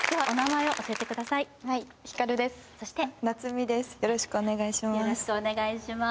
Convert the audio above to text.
そしてよろしくお願いします